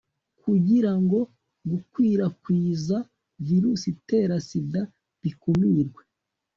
kugira ngo gukwirakwiza virusi itera sida bikumirwe